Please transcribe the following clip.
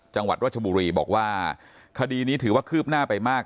จังหวัดรัชบุรีบอกว่าคดีนี้ถือว่าคืบหน้าไปมาก